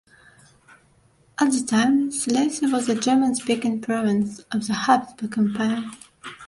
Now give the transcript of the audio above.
At the time, Silesia was a German-speaking province of the Habsburg Empire.